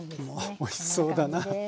もうおいしそうだなあ。